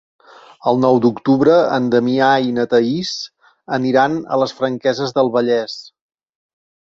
El nou d'octubre en Damià i na Thaís aniran a les Franqueses del Vallès.